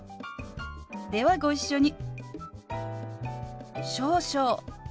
ではご一緒に。